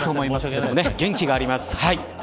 元気があります。